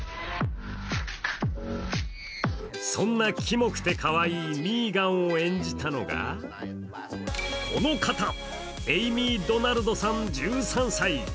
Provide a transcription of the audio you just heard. そんなキモくてかわいいミーガンを演じたのがこの方、エイミー・ドナルドさん１３歳。